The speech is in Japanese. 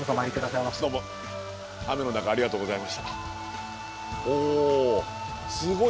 どうも雨の中ありがとうございました。